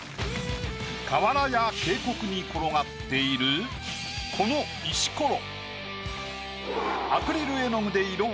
河原や渓谷に転がっているこの石ころ。